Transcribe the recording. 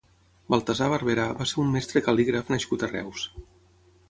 Baltasar Barberà va ser un mestre cal•lígraf nascut a Reus.